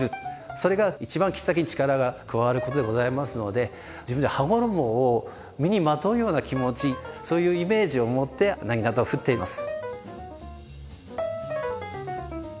それが一番切っ先に力が加わることでございますので自分で羽衣を身にまとうような気持ちそういうイメージを持って薙刀を振っています。